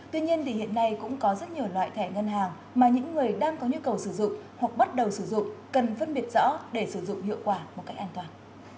tuy nhiên thì hiện nay cũng có rất nhiều loại thẻ ngân hàng mà những người đang có nhu cầu sử dụng hoặc bắt đầu sử dụng cần phân biệt rõ để sử dụng hiệu quả một cách an toàn